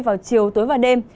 vào chiều tối và đêm